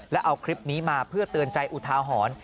และเอาคลิปนี้มาเพื่อเตือนใจอุทาหรณ์